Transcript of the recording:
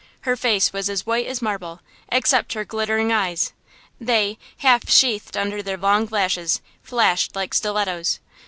Her face was as white as marble, excepting her glittering eyes; they, half sheathed under their long lashes, flashed like stilettoes.